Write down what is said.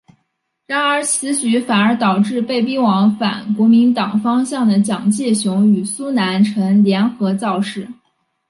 然而此举反而导致被逼往反国民党方向的蔡介雄与苏南成联合造势。